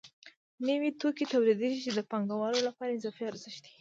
نوي توکي تولیدېږي چې د پانګوالو لپاره اضافي ارزښت دی